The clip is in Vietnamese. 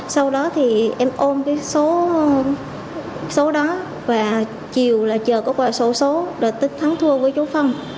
sau đó thì em ôm cái số đó và chiều là chờ có quả số số để thắng thua với chú phong